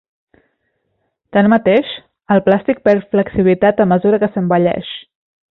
Tanmateix, el plàstic perd flexibilitat a mesura que s'envelleix.